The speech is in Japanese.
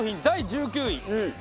第１９位。